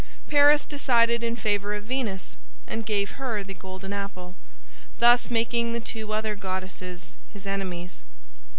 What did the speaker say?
Paris decided in favor of Venus and gave her the golden apple, thus making the two other goddesses his enemies.